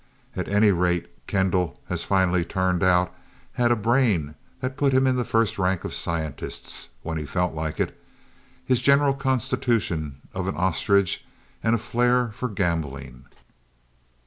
At any rate, Kendall, as finally turned out, had a brain that put him in the first rank of scientists when he felt like it the general constitution of an ostrich and a flair for gambling.